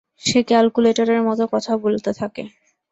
সে ক্যালকুলেটরের মত কথা বলতে থাকে।